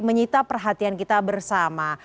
menyita perhatian kita bersama